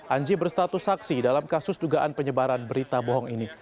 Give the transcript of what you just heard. anji berstatus saksi dalam kasus dugaan penyebaran berita bohong ini